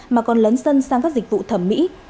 mà còn lấn sân sang các dịch vụ thẩm mỹ